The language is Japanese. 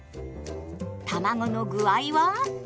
たまごの具合は？